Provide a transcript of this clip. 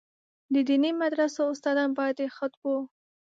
د دیني مدرسو استادان باید د خطبو.